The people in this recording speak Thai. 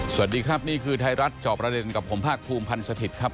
สวัสดีครับนี่คือไทยรัฐจอบประเด็นกับผมภาคภูมิพันธ์สถิตย์ครับ